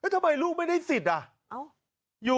ทำไมลูกไม่ได้สิทธิ์อ่ะ